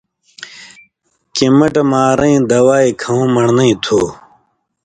کِمَٹہۡ مارئیں دوائ کھؤں من٘ڑنئ تُھو۔